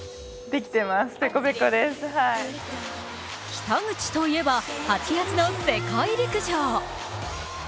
北口といえば８月の世界陸上。